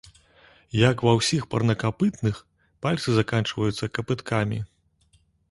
Як ва ўсіх парнакапытных, пальцы заканчваюцца капыткамі.